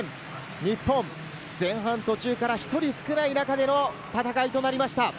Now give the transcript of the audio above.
日本、前半途中から１人少ない中での戦いとなりました。